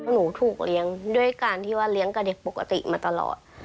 หนูถูกเลี้ยงด้วยการที่ว่าเลี้ยงกับเด็กปกติมาตลอด